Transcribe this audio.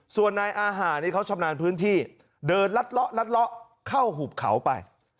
ส่วนนายอาหารนี่เขาชำนาญพื้นที่เดินลัดเลาะลัดเลาะเข้าหุบเขาไป